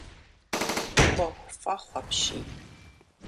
Ӏуэху фӏэхъу апщий.